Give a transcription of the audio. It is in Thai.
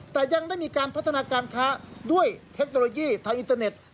แต่ยังได้มีการพัฒนาการค้าด้วยเทคโนโลยีไทยอินเตอร์เน็ต